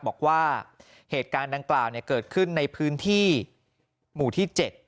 บอกว่าเหตุการณ์ดังกล่าวเกิดขึ้นในพื้นที่หมู่ที่๗